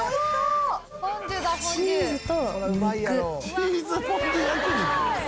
「チーズフォンデュ焼肉？」